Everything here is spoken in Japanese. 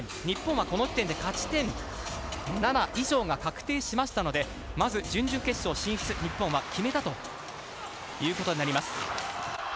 日本は、この時点で勝ち点７以上が確定しましたのでまず、準々決勝進出を日本は決めたことになります。